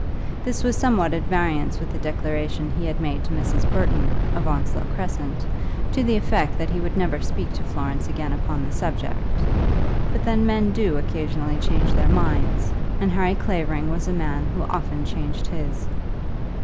This was somewhat at variance with a declaration he had made to Mrs. Burton, in Onslow Crescent, to the effect that he would never speak to Florence again upon the subject; but then men do occasionally change their minds, and Harry Clavering was a man who often changed his.